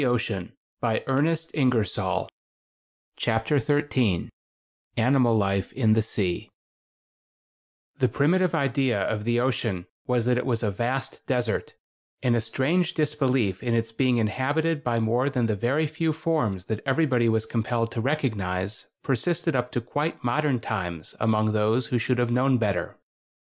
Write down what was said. [Illustration: A MARINE NATURALIST.] CHAPTER XIII ANIMAL LIFE IN THE SEA The primitive idea of the ocean was that it was a vast desert, and a strange disbelief in its being inhabited by more than the very few forms that everybody was compelled to recognize persisted up to quite modern times among those who should have known better.